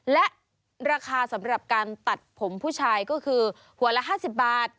และราคาสำหรับการตัดผมผู้ชายก็คือหัวละ๕๐บาท